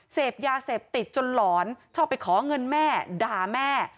เสพยาเสพติดจนหลอนชอบไปขอเงินแม่ด่าแม่